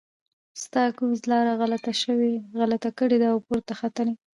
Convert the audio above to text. ستا ګوز لاره غلطه کړې ده او پورته ختلی.